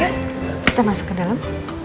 kita masuk ke dalam